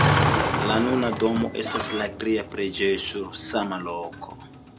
La nuna domo estas la tria preĝejo sur sama loko.